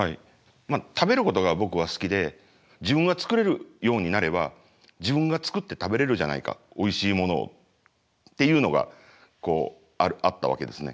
食べることが僕は好きで自分が作れるようになれば自分が作って食べれるじゃないかおいしいものをっていうのがこうあったわけですね。